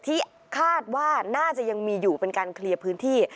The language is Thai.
ที่คาดว่าน่าจะยังมีอยู่เป็นการเคลียร์พื้นที่